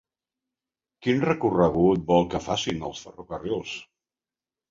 Quin recorregut vol que facin els ferrocarrils?